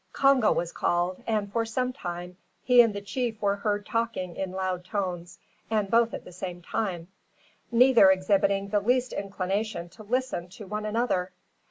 Congo was called, and for some time he and the chief were heard talking in loud tones, and both at the same time; neither exhibiting the least inclination to listen to one another!